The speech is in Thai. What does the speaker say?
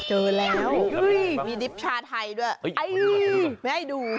กล้องเขารออยู่